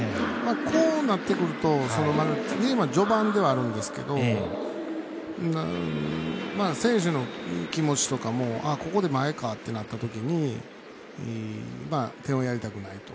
こうなってくるとゲーム序盤ではあるんですけど選手の気持ちとかもここで前かってなったときに点をやりたくないと。